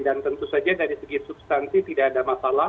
tentu saja dari segi substansi tidak ada masalah